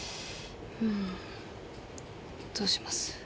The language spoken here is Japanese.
うーんどうします？